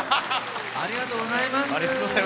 ありがとうございます。